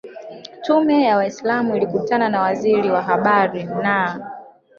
Tume ya waislamu ilikutana na Waziri wa Habari na